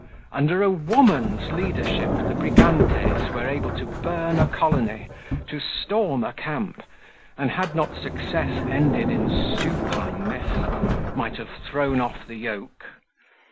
Under a woman's leadership the Brigantes were able to burn a colony, to storm a camp, and had not success ended in supineness, might have thrown off the yoke.